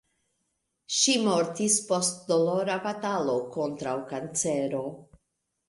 Ŝi mortis post dolora batalo kontraŭ kancero.